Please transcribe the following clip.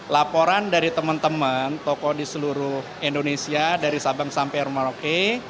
laporan dari teman teman toko di seluruh indonesia dari sabang sampai merauke